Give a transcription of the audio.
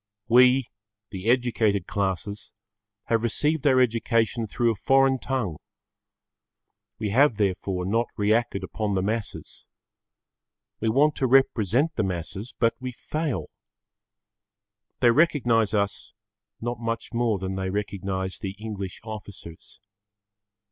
We, the educated classes, have received our education through a foreign tongue. We have therefore not reacted upon the masses. We want to represent the masses, but we fail. They recognise us not much more than they recognise the English officers.